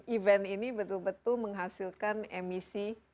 event ini betul betul menghasilkan emisi